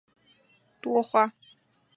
多花繁缕是石竹科繁缕属的植物。